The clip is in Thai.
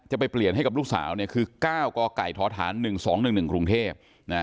ไปเปลี่ยนให้กับลูกสาวคือ๙กไก่ทธ๑๒๑๑กรุงเทพ